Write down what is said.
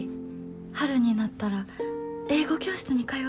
春になったら英語教室に通おうか。